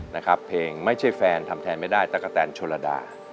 นะครับเพลงไม่ใช่แฟนทำแทนไม่ได้ตะกะแตนชนระดา